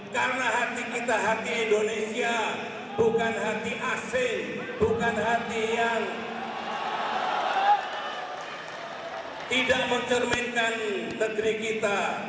karena hati kita hati indonesia bukan hati asing bukan hati yang tidak mencerminkan negeri kita